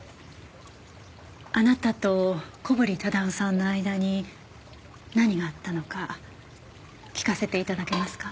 あなたと小堀忠夫さんの間に何があったのか聞かせて頂けますか？